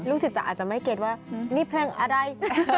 ศิษย์อาจจะไม่เก็ตว่านี่เพลงอะไร